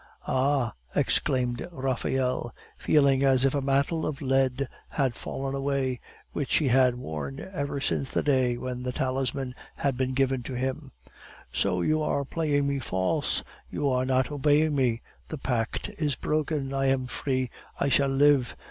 "Ah!" exclaimed Raphael, feeling as if a mantle of lead had fallen away, which he had worn ever since the day when the talisman had been given to him; "so you are playing me false, you are not obeying me, the pact is broken! I am free; I shall live.